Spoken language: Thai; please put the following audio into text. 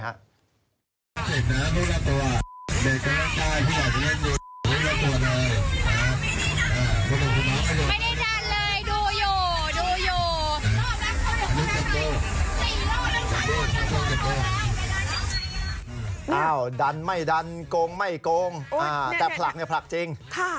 อ้าวดันไม่ดันโกงไม่โกงแต่ผลักเนี่ยผลักจริง